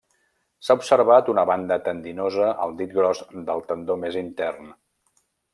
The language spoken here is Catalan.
S'ha observat una banda tendinosa al dit gros del tendó més intern.